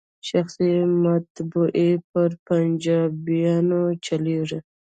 شخصي مطبعې په پنجابیانو چلیږي.